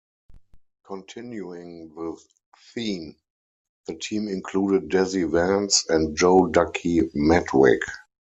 Continuing the theme, the team included Dazzy Vance and Joe "Ducky" Medwick.